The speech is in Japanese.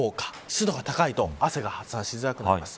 湿度が高いと汗が発散しづらくなります。